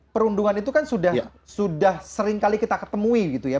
perundungan itu kan sudah seringkali kita ketemui gitu ya